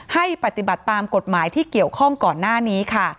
ให้ปฏิบัติตามกฎหมายที่เกี่ยวข้องก่อนหน้านี้ค่ะ